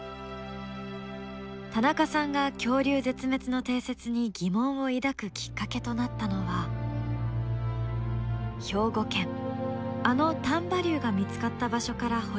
田中さんが恐竜絶滅の定説に疑問を抱くきっかけとなったのは兵庫県あの丹波竜が見つかった場所から掘り出された化石でした。